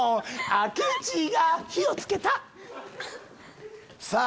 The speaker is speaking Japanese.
明智が火を付けたさぁ